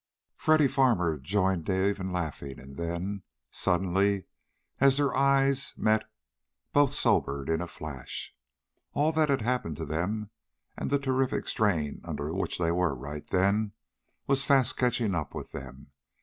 Freddy Farmer joined Dave in laughing, and then, suddenly, as their eyes met both sobered in a flash. All that had happened to them, and the terrific strain under which they were right then, was fast catching up with them.